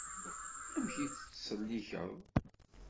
Amek i tt-tettsellikeḍ?